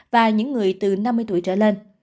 và những người từ năm mươi tuổi trở lên